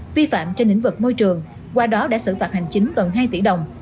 vi phạm trên lĩnh vực môi trường qua đó đã xử phạt hành chính gần hai tỷ đồng